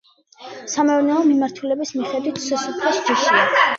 სამეურნეო მიმართულების მიხედვით სასუფრე ჯიშია.